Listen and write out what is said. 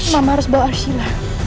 mama harus bawa arsila